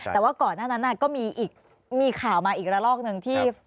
แต่ว่าก่อนหน้านั้นก็มีข่าวมาอีกระลอกหนึ่งที่